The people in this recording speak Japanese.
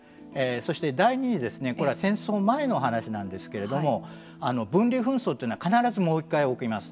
そして第２にこれは戦争前の話なんですけれども分離紛争というのは必ずもう１回起きます。